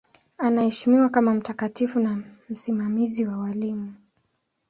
Anaheshimiwa kama mtakatifu na msimamizi wa walimu.